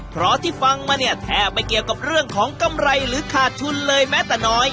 เพราะที่ฟังมาเนี่ยแทบไม่เกี่ยวกับเรื่องของกำไรหรือขาดทุนเลยแม้แต่น้อย